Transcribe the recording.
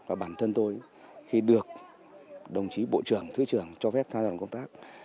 và bản thân tôi khi được đồng chí bộ trưởng thứ trưởng cho phép tham gia đoàn công tác